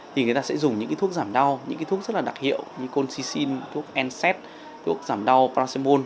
thì người ta sẽ dùng những thuốc giảm đau những thuốc rất là đặc hiệu như colcicin thuốc nsaid thuốc giảm đau paracetamol